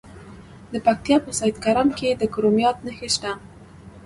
د پکتیا په سید کرم کې د کرومایټ نښې شته.